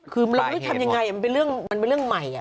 คือเราไม่รู้ทำยังไงมันเป็นเรื่องใหม่